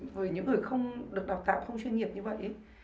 với những người không được đào tạo không chuyên nghiệp như vậy